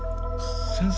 先生？